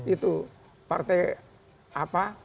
itu partai apa